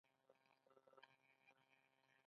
ځوانانو ته پکار ده چې، برق تولید زیات کړي.